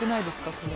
これ。